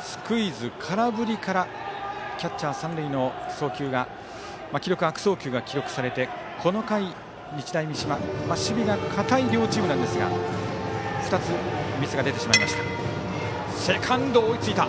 スクイズ、空振りからキャッチャー、三塁の送球が記録は悪送球が記録されてこの回、日大三島守備が堅い両チームですが２つ、ミスが出てしまいました。